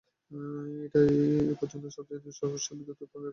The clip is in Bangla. এটাই এ পর্যন্ত দেশের সর্বোচ্চ বিদ্যুৎ উৎপাদনের রেকর্ড।